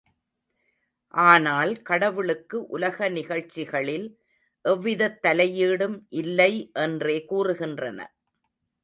ஆனால் கடவுளுக்கு உலக நிகழ்ச்சிகளில் எவ்விதத் தலையீடும் இல்லை என்றே கூறுகின்றன.